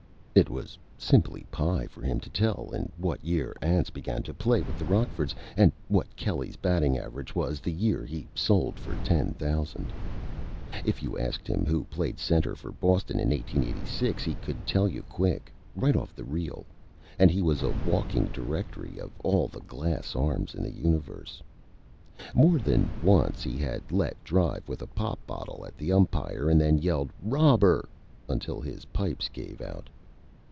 It was simply Pie for him to tell in what year Anse began to play with the Rockfords and what Kelly's Batting Average was the Year he sold for Ten Thousand. If you asked him who played Center for Boston in 1886 he could tell you quick right off the Reel. And he was a walking Directory of all the Glass Arms in the Universe. More than once he had let drive with a Pop Bottle at the Umpire and then yelled "Robber" until his Pipes gave out.